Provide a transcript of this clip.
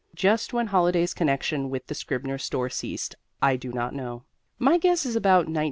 Just when Holliday's connection with the Scribner store ceased I do not know. My guess is, about 1911.